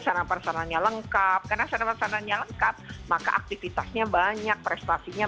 sarana perasananya lengkap karena sarana perasananya lengkap maka aktivitasnya banyak prestasinya